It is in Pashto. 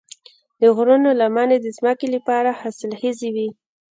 د غرونو لمنې د ځمکې لپاره حاصلخیزې وي.